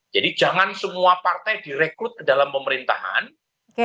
jadi jangan semua partai direkrut ke dalam pemerintahan yang kuat